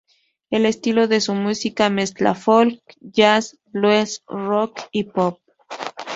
El estilo de su música mezcla folk, jazz, blues, rock y pop.